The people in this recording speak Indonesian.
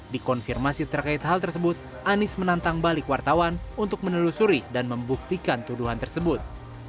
dikonfirmasi terkait hal tersebut anies menantang balik wartawan untuk menelusuri dan membuktikan tuduhan tersebut